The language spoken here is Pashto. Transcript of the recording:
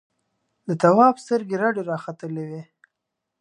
د تواب سترګې رډې راختلې وې.